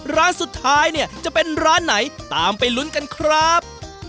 ร้านสุดท้ายเนี่ยจะเป็นร้านไหนตามไปลุ้นกันครับ